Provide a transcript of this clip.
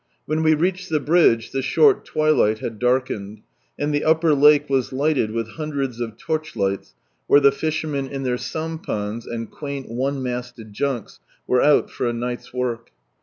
U'hen we reached the bridge the short twilight had darkened, and the upper lake was lighted with hundreds of torchlights where the fishermen in their sampans, and quaint one masted junks, were out for a night's work.